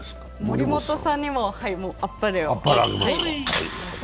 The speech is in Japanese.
森本さんにもあっぱれを。